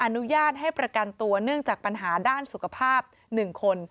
อนุญาตให้ประกันตัวเนื่องจากปัญหาด้านสุขภาพ๑คน